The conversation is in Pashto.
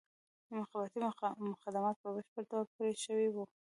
مخابراتي خدمات په بشپړ ډول پرې شوي وو.